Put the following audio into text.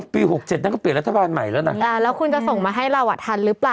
หกเจ็ดนั้นก็เปลี่ยนรัฐบาลใหม่แล้วนะแล้วคุณจะส่งมาให้เราอ่ะทันหรือเปล่า